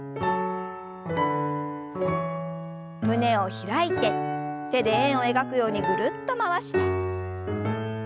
胸を開いて手で円を描くようにぐるっと回して。